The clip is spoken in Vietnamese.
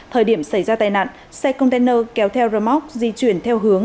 thời điểm xảy ra tai nạn xe container kéo theo rơm óc di chuyển theo hướng